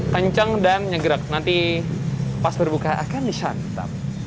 kencang dan nyegerak nanti pas berbuka akan disantap